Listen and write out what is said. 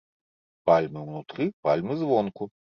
Пальмы ўнутры, пальмы звонку.